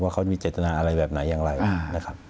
เขามีเจตนาอะไรแบบไหนอย่างไรนะครับ